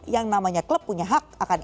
yang namanya klub punya hak akan